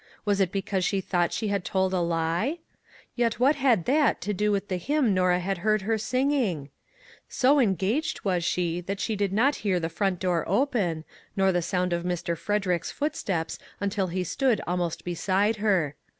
Was it because she thought she had told a lie ? Yet what had that to do with the hymn Norah had heard her sing ing ? So engaged was she that she did not hear the front door open, nor the sound of Mr. Fred erick's footsteps until he stood almost beside her.